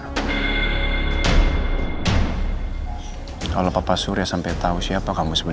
kalau papa surya sampai tau siapa kamu sebenarnya kamu dalam gesan besar